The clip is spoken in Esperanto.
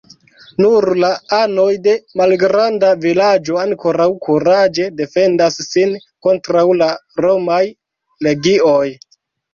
Nur la anoj de malgranda vilaĝo ankoraŭ kuraĝe defendas sin kontraŭ la romaj legioj.